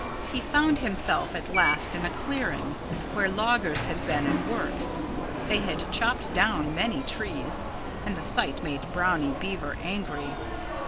He found himself at last in a clearing, where loggers had been at work. They had chopped down many trees. And the sight made Brownie Beaver angry.